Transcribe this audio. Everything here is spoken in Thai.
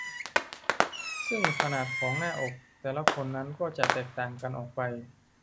ซึ่งขนาดของหน้าอกแต่ละคนนั้นก็จะแตกต่างกันออกไป